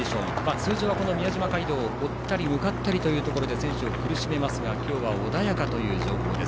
通常は宮島街道では追ったり向かったりというところ選手を苦しめますが今日は穏やかという情報です。